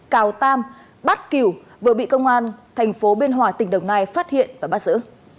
cào tam bá kiểu vừa bị công an thành phố biên hòa tỉnh đồng nai phát hiện và bắt giữ